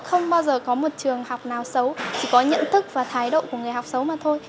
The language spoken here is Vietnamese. không bao giờ có một trường học nào xấu chỉ có nhận thức và thái độ của người học xấu mà thôi